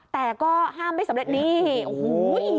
แต่ก็ห้ามไม่สำเร็จนี่โอ้โห